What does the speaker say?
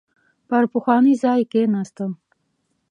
پر پخواني ځای کېناسته.